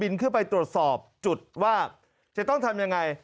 ขึ้นไปตรวจสอบจุดว่าจะต้องทำยังไง